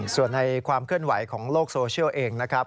ส่วนในความเคลื่อนไหวของโลกโซเชียลเองนะครับ